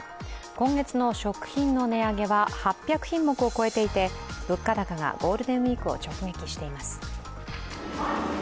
今月の食品の値上げは８００品目を越えていて、物価高がゴールデンウイークを直撃しています。